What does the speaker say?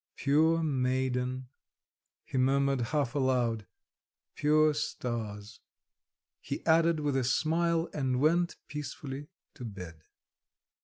"Pure maiden," he murmured half aloud: "pure stars," he added with a smile, and went peacefully to bed.